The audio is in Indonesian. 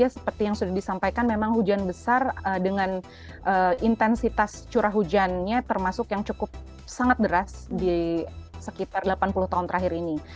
seperti yang sudah disampaikan memang hujan besar dengan intensitas curah hujannya termasuk yang cukup sangat deras di sekitar delapan puluh tahun terakhir ini